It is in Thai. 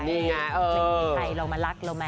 จะยังมีใครเรามารักเราแม่